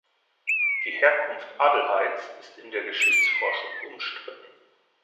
Die Herkunft Adelheids ist in der Geschichtsforschung umstritten.